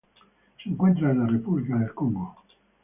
Se encuentra en la República del Congo.